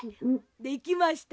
できました。ね！